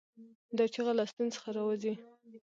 دا چیغه له ستونې څخه راووځي.